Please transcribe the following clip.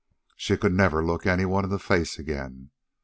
She could never look any one in the face again.